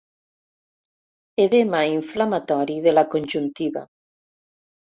Edema inflamatori de la conjuntiva.